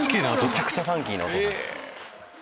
めちゃくちゃファンキーなお父さん。